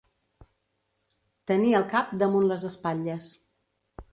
Tenir el cap damunt les espatlles.